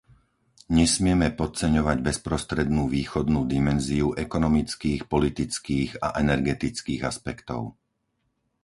Nesmieme podceňovať bezprostrednú východnú dimenziu ekonomických, politických a energetických aspektov.